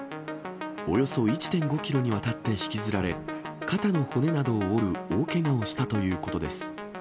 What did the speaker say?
およそ１．５キロにわたって引きずられ、肩の骨などを折る大けがをしたということです。